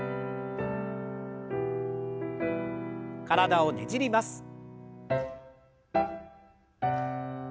体をねじります。